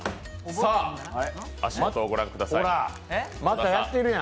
さあ、足元をご覧ください。